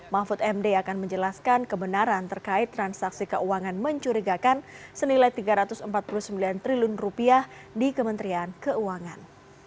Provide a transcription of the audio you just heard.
mahfud md akan menjelaskan kebenaran terkait transaksi keuangan mencurigakan senilai rp tiga ratus empat puluh sembilan triliun di kementerian keuangan